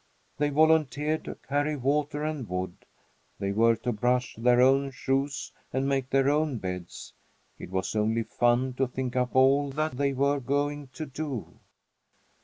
They volunteered to carry water and wood. They were to brush their own shoes and make their own beds. It was only fun to think up all that they were going to do!